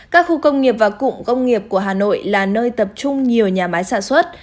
các khu công nghiệp và cụm công nghiệp của hà nội là nơi tập trung nhiều nhà máy sản xuất